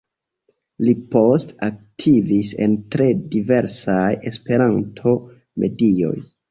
Li poste aktivis en tre diversaj Esperanto-medioj.